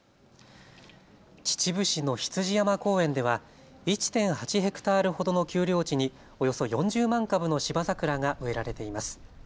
秩父市の羊山公園では１．８ヘクタールほどの丘陵地におよそ４０万株のシバザクラが植えられています。